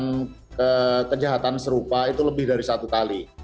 melakukan kejahatan serupa itu lebih dari satu kali